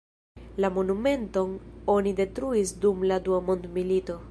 La monumenton oni detruis dum la dua mondmilito.